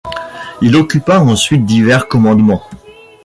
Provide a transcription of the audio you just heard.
Il occupa ensuite divers commandements.